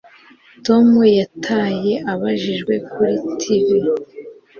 Tom yaraye abajijwe kuri TV